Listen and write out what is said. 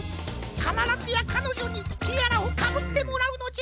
かならずやかのじょにティアラをかぶってもらうのじゃ。